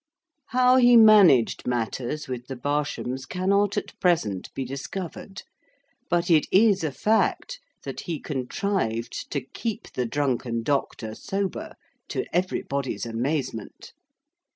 How he managed matters with the Barshams cannot at present be discovered; but it is a fact that he contrived to keep the drunken doctor sober, to everybody's amazement.